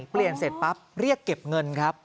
เปลี่ยนเสร็จปั๊บเรียกเก็บเงินครับ